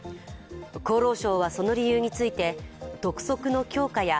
厚労省はその理由について督促の強化や